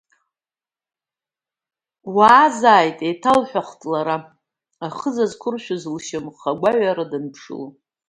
Уаазааит, еиҭалҳәахт лара, ахыза зқәыршәыз лшьамхы агәаҩара данԥшыло.